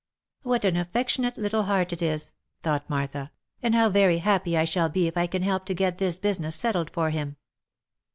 " What an. affectionate little heart it is !" thought Martha, " and how very happy I shall be if I can help to get this business settled for him